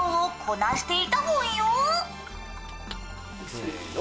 せの。